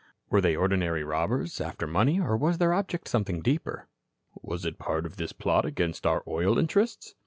Were they ordinary robbers after money, or was their object something deeper? Was it part of this plot against our oil interests?"